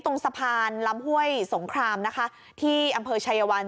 ตรงสะพานลำห้วยสงครามนะคะที่อำเภอชายวัน